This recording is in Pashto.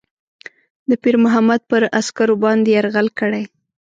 د پیرمحمد پر عسکرو باندي یرغل کړی.